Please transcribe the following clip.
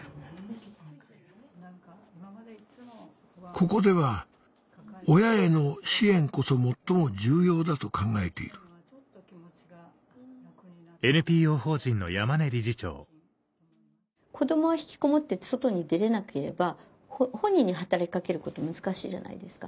ここでは親への支援こそ最も重要だと考えている子供がひきこもって外に出れなければ本人に働き掛けること難しいじゃないですか。